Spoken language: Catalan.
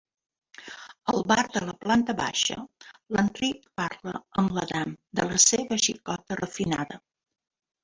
Al bar de la planta baixa, l'Enric parla amb l'Adam de la seva xicota refinada.